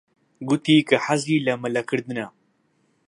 گوتی کە حەزی لە مەلەکردنە.